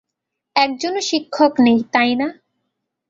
একজনও শিক্ষক নেই, তাই না?